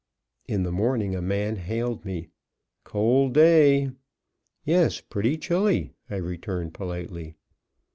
In the morning a man hailed me: "Cold day!" "Yes, pretty chilly," I returned, politely.